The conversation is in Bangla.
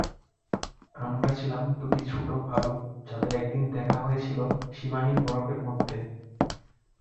আমরা ছিলাম দুটি ছোট ভালুক যাদের একদিন দেখা হয়েছিল সীমাহীন বরফের মধ্যে।